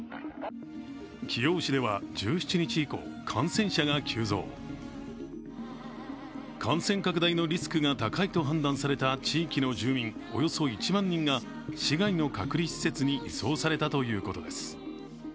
貴陽市では１７日以降、感染者が急増感染拡大のリスクが高いと判断された地域の住民およそ１万人が市街の隔離施設に移送されたということです。